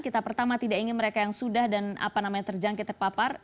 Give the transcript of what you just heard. kita pertama tidak ingin mereka yang sudah dan terjangkit terpapar